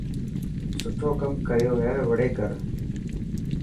سٺو ڪم ڪروهي وڙي ڪر.